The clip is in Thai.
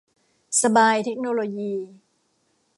สบาย เทคโนโลยี